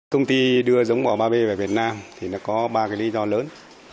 công ty đưa giống bò ba b về việt nam thì nó có ba cái lý do lớn